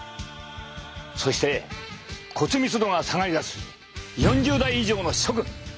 そして骨密度が下がりだす４０代以上の諸君！